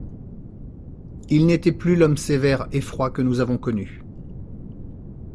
Il n'était plus l'homme sévère et froid que nous avons connu.